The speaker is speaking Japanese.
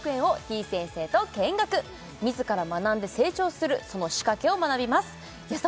ぃ先生と見学自ら学んで成長するその仕掛けを学びますやさ